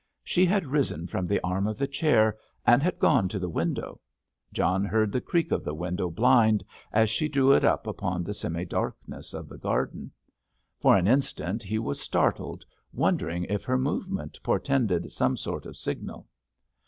She had risen from the arm of the chair, and had gone to the window. John heard the creak of the window blind as she drew it up upon the semi darkness of the garden. For an instant he was startled, wondering if her movement portended some sort of signal.